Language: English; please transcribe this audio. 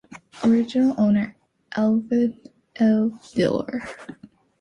Original owner, Everett L Dillard.